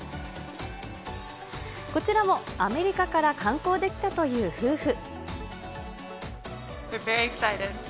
こちらもアメリカから観光で来たという夫婦。